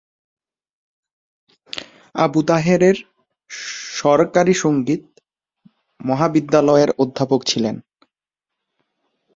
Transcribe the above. আবু তাহের সরকারি সঙ্গীত মহাবিদ্যালয়ের অধ্যাপক ছিলেন।